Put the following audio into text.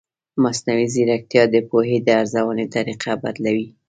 مصنوعي ځیرکتیا د پوهې د ارزونې طریقه بدلوي.